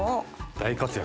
大活躍。